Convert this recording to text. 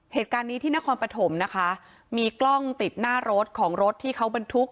เหตุการณ์นี้ที่นครปฐมนะคะมีกล้องติดหน้ารถของรถที่เขาบรรทุก